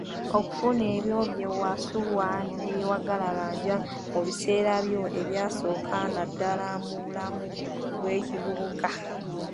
Okufuna ebyo bye wasubwa ne byewagalabanja mu biseera byo ebyasooka naddala mu bulamu bw'ekivubuka.